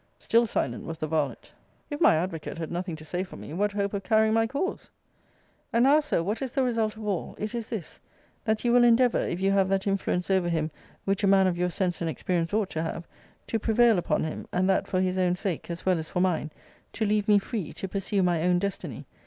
Still silent was the varlet. If my advocate had nothing to say for me, what hope of carrying my cause? And now, Sir, what is the result of all? It is this that you will endeavour, if you have that influence over him which a man of your sense and experience ought to have, to prevail upon him, and that for his own sake, as well as for mine, to leave me free, to pursue my own destiny.